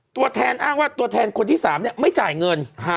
ตัวแทนอ้างว่าตัวแทนคนที่๓ไม่จ่ายเงิน